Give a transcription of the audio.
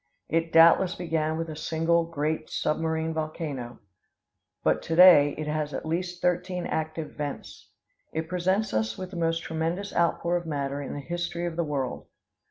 It doubtless began with a single, great submarine volcano; but to day it has at least thirteen active vents. It presents us with the most tremendous outpour of matter in the history of the world.